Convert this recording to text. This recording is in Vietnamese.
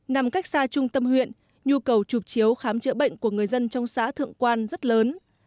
nằm cách xa trung tâm huyện nhu cầu chụp chiếu khám chữa bệnh của người dân trong xã thượng quan rất lớn